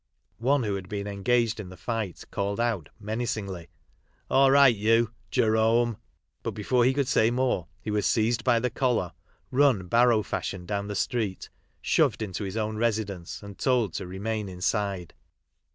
One who had been engaged in the fight called out, menacingly "All right, you Jerome," but before he could say moie he was seized by the collar, run barrow fashion down the street, shoved into his own residence, and told to remain in side.